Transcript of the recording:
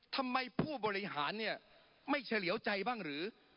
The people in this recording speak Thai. ทำไมผู้บริหารเนี่ยไม่เฉลี่ยวใจบ้างหรือ